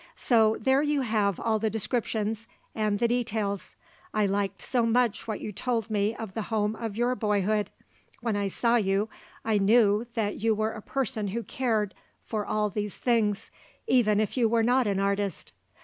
So there you have all the descriptions and the details. I liked so much what you told me of the home of your boyhood. When I saw you, I knew that you were a person who cared for all these things, even if you were not an artist.